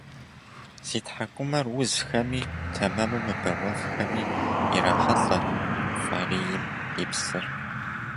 Зи тхьэкӏумэр узхэми, тэмэму мыбэуэфхэми ирахьэлӏэ фӏарийм и псыр.